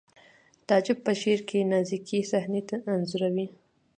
تعجب په شعر کې نازکې صحنې انځوروي